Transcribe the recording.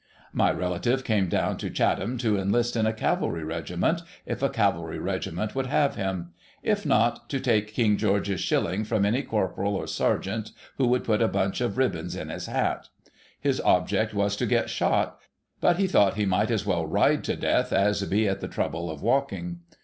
My relative came down to Chatham to enlist in a cavalry regi ment, if a cavalry regiment would have him ; if not, to take King George's shilling from any corporal or sergeant who would put a bunch of ribbons in his hat. His object was to get shot ; but he thought he might as well ride to death as be at the trouble of walking.